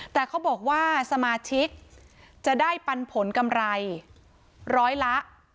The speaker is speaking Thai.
แต่เขาบอกว่าสมาชิกจะได้ปันผลกำไรร้อยละ